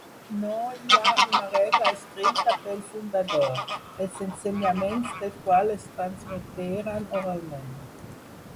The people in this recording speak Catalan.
No hi ha una regla escrita pel fundador, els ensenyaments del qual es transmeteren oralment.